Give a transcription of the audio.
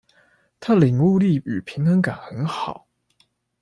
他領悟力與平衡感很好